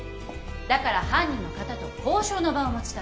だから犯人の方と交渉の場を持ちたい。